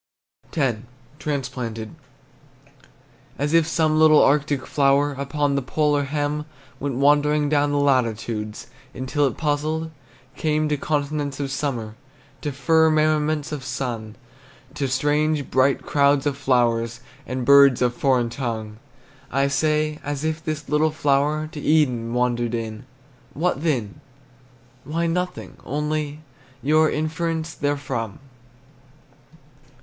X. TRANSPLANTED. As if some little Arctic flower, Upon the polar hem, Went wandering down the latitudes, Until it puzzled came To continents of summer, To firmaments of sun, To strange, bright crowds of flowers, And birds of foreign tongue! I say, as if this little flower To Eden wandered in What then? Why, nothing, only, Your inference therefrom!